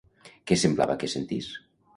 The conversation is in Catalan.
Què semblava que sentís?